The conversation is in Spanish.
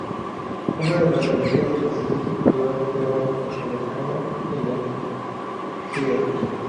Una de las galerías del Instituto Cultural Peruano Norteamericano en el Jr.